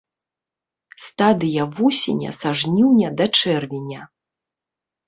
Стадыя вусеня са жніўня да чэрвеня.